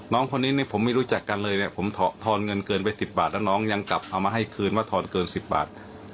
น้องคนนี้เนี่ยผมไม่รู้จักกันเลยเนี่ยผมทอนเงินเกินไป๑๐บาทแล้วน้องยังกลับเอามาให้คืนว่าทอนเกิน๑๐บาท